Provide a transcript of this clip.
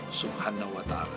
kesempurnaan itu adalah milik allah